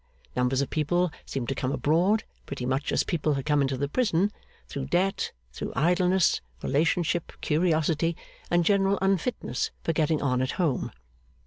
Numbers of people seemed to come abroad, pretty much as people had come into the prison; through debt, through idleness, relationship, curiosity, and general unfitness for getting on at home.